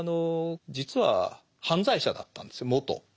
実は犯罪者だったんですよ元。